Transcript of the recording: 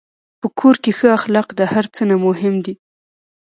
په کور کې ښه اخلاق د هر څه نه مهم دي.